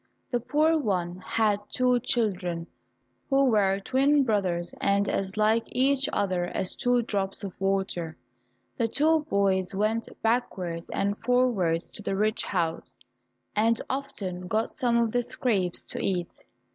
The poor one had two children, who were twin brothers and as like each other as two drops of water. The two boys went backwards and forwards to the rich house, and often got some of the scraps to eat.